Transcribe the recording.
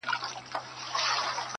منتظر د ترقی د دې کهسار یو؛